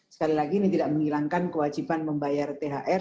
sekali lagi ini tidak menghilangkan kewajiban membayar thr